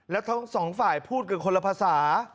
แล้วทั้งสองฝ่ายพูดกันคนละภาษา